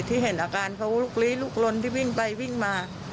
ที่เห็นอาการเขาลุกลี้ลุกลนที่วิ่งไปวิ่งมา